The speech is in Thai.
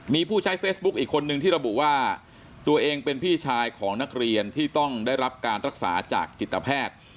มีผู้ใช้เฟซบุ๊คอีกคนนึงที่ระบุว่าตัวเองเป็นพี่ชายของนักเรียนที่ต้องได้รับการรักษาจากจิตแพทย์